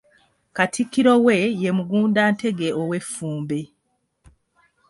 Katikkiro we ye Magunda Ntege ow'Effumbe.